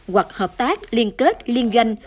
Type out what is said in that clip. hoặc hợp tác liên kết liên ganh